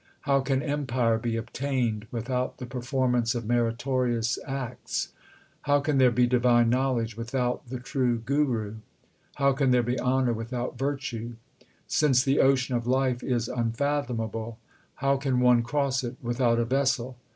How can empire be obtained without the performance of meritorious acts ? How can there be divine knowledge without the true Guru ? How can there be honour without virtue ? Since the ocean of life is unfathomable, how can one cross it without a vessel